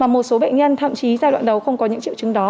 một số bệnh nhân thậm chí giai đoạn đầu không có những triệu chứng đó